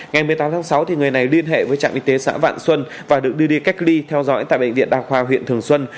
ngày một mươi tám tháng sáu người này liên hệ với trạm y tế xã vạn xuân và được đưa đi cách ly theo dõi tại bệnh viện đa khoa huyện thường xuân